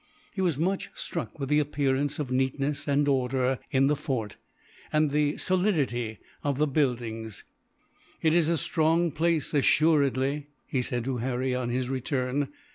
He was much struck with the appearance of neatness and order in the fort, and the solidity of the buildings. "It is a strong place, assuredly," he said to Harry, on his return.